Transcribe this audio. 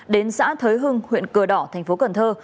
đến xã thới hưng huyện cờ đỏ thành phố cần thơ